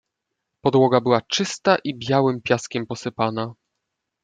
"Podłoga była czysta i białym piaskiem posypana."